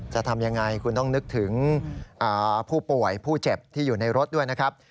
จะทำยังไงคุณต้องนึกถึงผู้ป่วยผู้เจ็บที่อยู่ในรถด้วยนะครับ